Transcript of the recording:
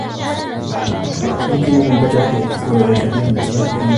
يمكن للبجعة أن تستوعب الكثير من الأسماك في منقارها.